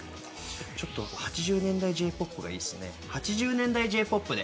８０年代Ｊ‐ＰＯＰがいいですね。